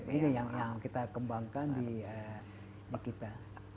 ini yang kita kembangkan di kita